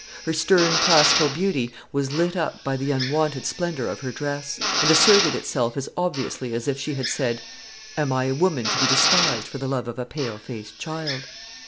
Her stern classical beauty was lit up by the unwonted splendour of her dress, and asserted itself as obviously as if she had said, "Am I a woman to be despised for the love of a pale faced child?"